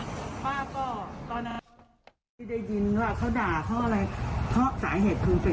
ตอนนี้ก็คือกินยากินอะไรตลอดใช่ปะ